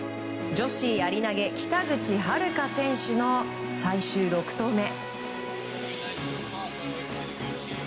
女子やり投げ、北口榛花選手の最終６投目。